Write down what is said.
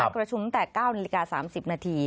ประชุมตั้งแต่๙น๓๐น